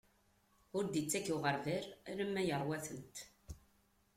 Ur d-ittak uɣerbal, alamma iṛwa-tent.